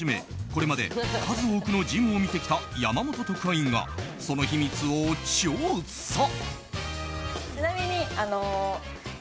これまで数多くのジムを見てきた山本特派員がその秘密を調査。